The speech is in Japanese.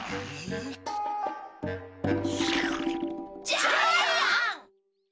ジャイアン！